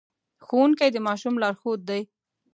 ښوونکي د ماشوم لارښود دي.